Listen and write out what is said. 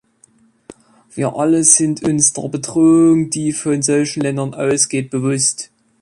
Wir alle sind uns der Bedrohung, die von solchen Ländern ausgeht, bewusst.